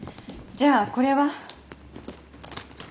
じゃあこれは？